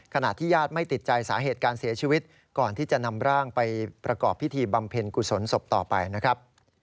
ขณะที่ญาติไม่ติดใจสาเหตุการเสียชีวิตก่อนที่จะนำร่างไปประกอบพิธีบำเพ็ญกุศลศพต่อไปนะครับ